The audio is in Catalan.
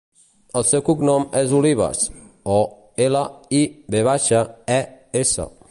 El seu cognom és Olives: o, ela, i, ve baixa, e, essa.